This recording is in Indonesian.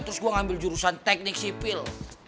terus gue ngambil jurusan teknik sipil